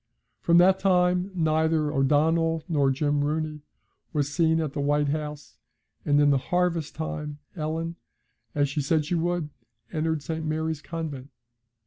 From that time neither O'Donnell nor Jim Rooney was seen at the white house, and in the harvest time Ellen, as she said she would, entered St. Mary's Convent.